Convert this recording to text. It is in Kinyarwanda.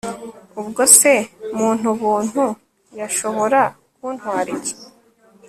ubwo se muntu buntu yashobora kuntwara iki